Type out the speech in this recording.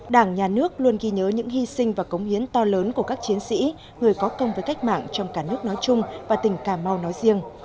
đảng nhà nước luôn ghi nhớ những hy sinh và cống hiến to lớn của các chiến sĩ người có công với cách mạng trong cả nước nói chung và tỉnh cà mau nói riêng